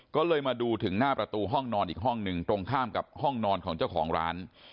ก็เลยมาดูถึงหน้าประตูห้องนอนอีกห้องหนึ่งตรงข้ามกับห้องนอนของเจ้าของร้าน